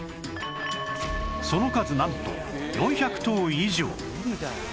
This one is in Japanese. その数なんと４００頭以上